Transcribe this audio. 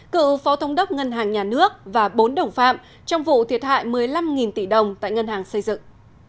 cựu phó thống đốc ngân hàng nhà nước và bốn đồng phạm trong vụ thiệt hại một mươi năm tỷ đồng tại ngân hàng xây dựng